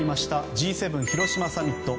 Ｇ７広島サミット。